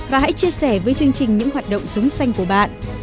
và hãy chia sẻ với chương trình những hoạt động sống xanh của bạn